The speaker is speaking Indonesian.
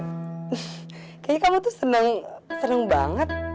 kayaknya kamu tuh seneng banget